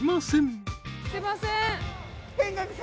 すみません。